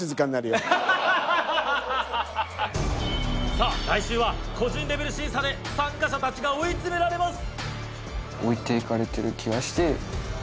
さぁ来週は個人レベル審査で参加者たちが追い詰められます